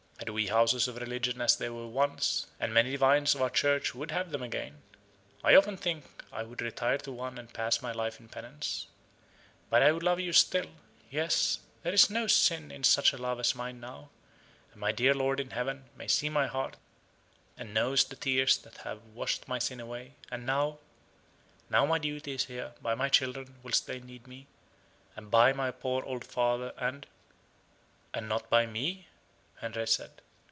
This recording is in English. Had we houses of religion as there were once, and many divines of our Church would have them again, I often think I would retire to one and pass my life in penance. But I would love you still yes, there is no sin in such a love as mine now; and my dear lord in heaven may see my heart; and knows the tears that have washed my sin away and now now my duty is here, by my children whilst they need me, and by my poor old father, and " "And not by me?" Henry said.